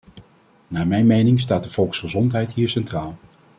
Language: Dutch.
Naar mijn mening staat de volksgezondheid hier centraal.